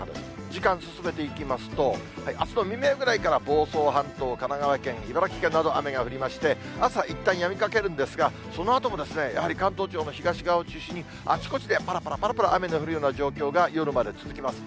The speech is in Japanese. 時間進めていきますと、あすの未明ぐらいから房総半島、神奈川県、茨城県など、雨が降りまして、朝、いったんやみかけるんですが、そのあともやはり関東地方の東側を中心に、あちこちでぱらぱらぱらぱら雨の降るような状況が夜まで続きます。